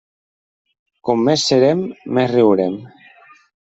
Com més serem, més riurem.